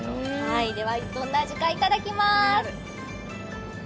ではどんな味かいただきます。